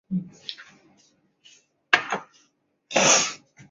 依喜多杰生于藏历火龙年藏东康地的米述。